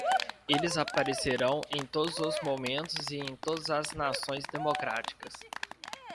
Eles aparecerão em todos os momentos e em todas as nações democráticas.